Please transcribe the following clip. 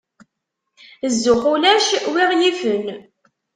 Zzux ulac wi ɣ-yifen.